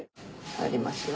触りますよ。